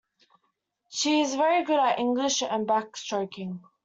She is very good at English and backstroking.